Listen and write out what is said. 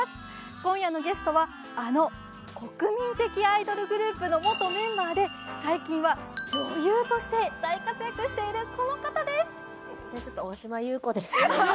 今夜のゲストはあの国民的アイドルグループの元メンバーで最近は女優として大活躍しているこの方です！